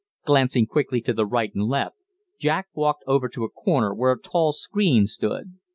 Glancing quickly to right and left, Jack walked over to a corner where a tall screen stood.